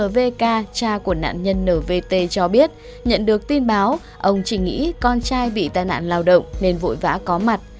vk cha của nạn nhân nvt cho biết nhận được tin báo ông chỉ nghĩ con trai bị tai nạn lao động nên vội vã có mặt